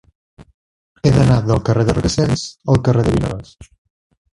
He d'anar del carrer de Requesens al carrer de Vinaròs.